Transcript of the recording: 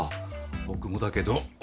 僕もだけど。